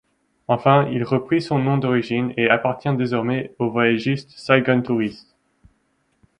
Enfin, il reprit son nom d’origine et appartient désormais au voyagiste Saïgontourist.